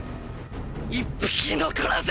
一匹残らず！